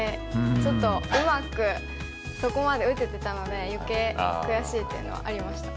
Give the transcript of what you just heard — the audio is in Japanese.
ちょっとうまくそこまで打ててたので余計悔しいっていうのはありました。